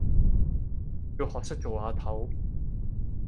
要學識做阿頭